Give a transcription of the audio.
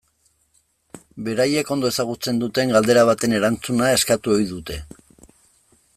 Beraiek ondo ezagutzen duten galdera baten erantzuna eskatu ohi dute.